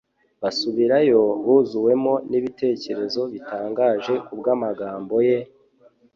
Basubirayo buzuwemo n'ibitekerezo bitangaje kubw'amagambo ye,